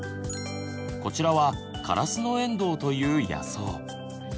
こちらは「カラスノエンドウ」という野草。